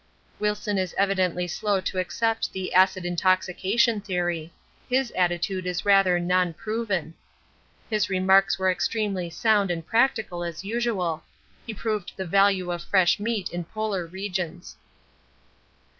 Wilson is evidently slow to accept the 'acid intoxication' theory; his attitude is rather 'non proven.' His remarks were extremely sound and practical as usual. He proved the value of fresh meat in polar regions.